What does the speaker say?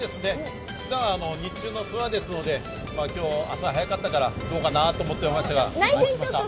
ふだん日中のツアーですので、今日朝早かったからどうかなと思ってましたが安心しました。